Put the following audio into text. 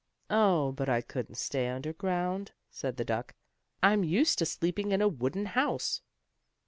"Oh, but I couldn't stay underground," said the duck. "I'm used to sleeping in a wooden house."